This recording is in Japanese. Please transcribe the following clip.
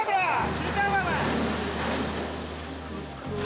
死にたいのかお前！」